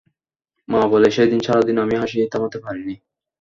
মা বলে, সেদিন সারাদিন আমি হাসি থামাতে পারিনি।